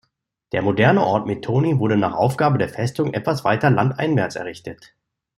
Der moderne Ort Methoni wurde nach Aufgabe der Festung etwas weiter landeinwärts errichtet.